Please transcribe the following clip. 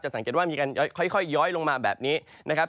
สังเกตว่ามีการค่อยย้อยลงมาแบบนี้นะครับ